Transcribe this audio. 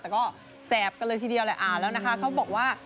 แต่ก็แสบกันเลยทีเดียวแหละอ่านแล้วนะคะเขาบอกว่า